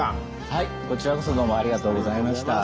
はいこちらこそどうもありがとうございました。